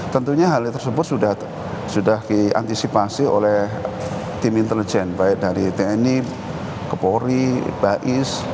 tentunya hal tersebut sudah diantisipasi oleh tim intelijen baik dari tni kepori bais